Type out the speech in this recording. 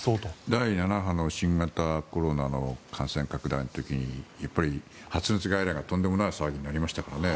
第７波の新型コロナの感染拡大の時にやっぱり発熱外来がとんでもない騒ぎになりましたからね。